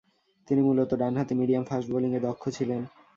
তিনি মূলতঃ ডানহাতি মিডিয়াম-ফাস্ট বোলিংয়ে দক্ষ ছিলেন।